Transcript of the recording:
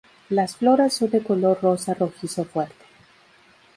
Las flores son de color rosa-rojizo fuerte.